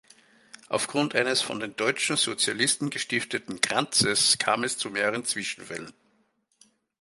Aufgrund eines von den deutschen Sozialisten gestifteten Kranzes kam es zu mehreren Zwischenfällen.